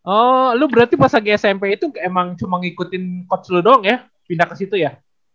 oh lu berarti pas lagi smp itu emang cuma ngikutin coach lu doang ya pindah ke situ ya